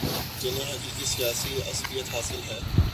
جنہیں حقیقی سیاسی عصبیت حاصل ہے